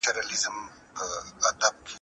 په خوب لیدلی مي توپان وو ما یې زور لیدلی